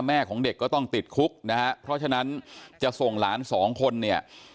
ของเด็กก็ต้องติดคุกนะฮะเพราะฉะนั้นจะส่งหลานสองคนเนี่ย